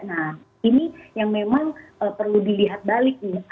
nah ini yang memang perlu dilihat balik nih